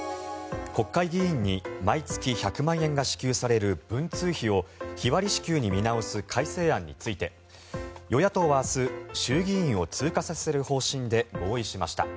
国会議員に毎月１００万円が支給される文通費を日割り支給に見直す改正案について与野党は明日、衆議院を通過させる方針で合意しました。